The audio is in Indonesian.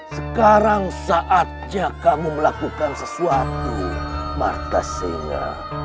sekarang saatnya kamu melakukan sesuatu marta singa